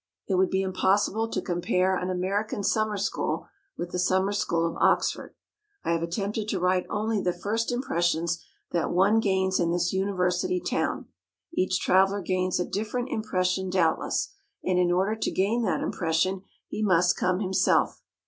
It would be impossible to compare an American Summer School with the Summer School at Oxford. I have attempted to write only the first impressions that one gains in this university town. Each traveller gains a different impression doubtless, and in order to gain that impression he must come himself.